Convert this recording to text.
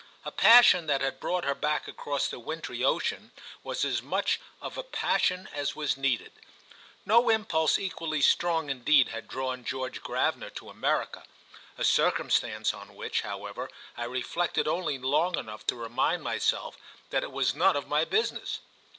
A passion that had brought her back across the wintry ocean was as much of a passion as was needed. No impulse equally strong indeed had drawn George Gravener to America; a circumstance on which, however, I reflected only long enough to remind myself that it was none of my business.